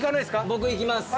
僕いきます。